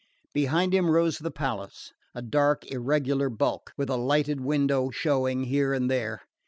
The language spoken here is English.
Behind him rose the palace, a dark irregular bulk, with a lighted window showing here and there.